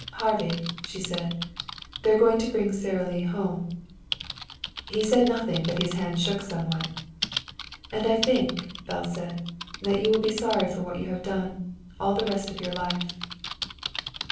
"Harvey," she said, "they're going to bring Sara Lee home." He said nothing, but his hands shook somewhat. "And I think," Belle said, "that you will be sorry for what you have done all the rest of your life."